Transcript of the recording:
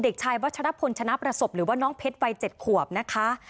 เด็กชายวัชรพลชนะประสบหรือว่าน้องเพชรวัย๗ขวบนะคะ